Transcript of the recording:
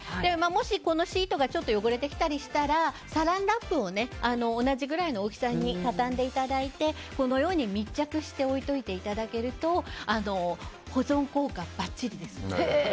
もし、このシートがちょっと汚れてきたりしたらサランラップを同じぐらいの大きさに畳んでいただいてこのように密着して置いておいていただけると保存効果ばっちりです。